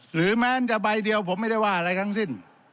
หรือแม้จะใบเดียวผมไม่ได้ว่าอะไรทั้งสิ้น